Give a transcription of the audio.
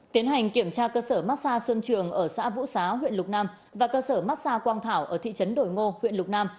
tiến hành kiểm tra cơ sở mát xa xuân trường ở xã vũ xá huyện lục nam và cơ sở mát xa quang thảo ở thị trấn đổi ngô huyện lục nam